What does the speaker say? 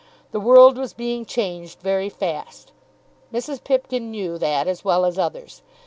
The world was being changed very fast. Mrs. Pipkin knew that as well as others.